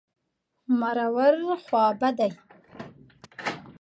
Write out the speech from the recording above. مرور... خوابدی.